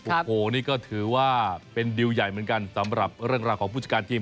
โอ้โหนี่ก็ถือว่าเป็นดิวใหญ่เหมือนกันสำหรับเรื่องราวของผู้จัดการทีม